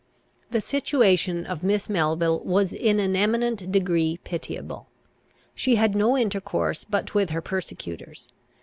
The situation of Miss Melville was in an eminent degree pitiable. She had no intercourse but with her persecutors.